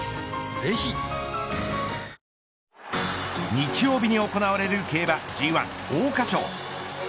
日曜日に行われる競馬Ｇ１桜花賞。